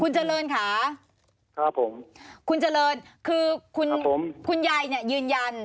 เจริญค่ะครับผมคุณเจริญคือคุณผมคุณยายเนี่ยยืนยัน